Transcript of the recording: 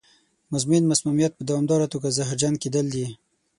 مزمن مسمومیت په دوامداره توګه زهرجن کېدل دي.